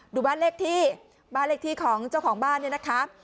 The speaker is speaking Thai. ดูบ้านเลขที่บ้านเลขที่ของเจ้าของบ้านเนี่ยนะคะ